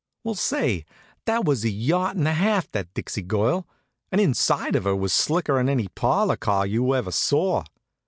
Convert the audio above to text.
Well, say, that was a yacht and a half, that Dixie Girl! The inside of her was slicker'n any parlor car you ever saw.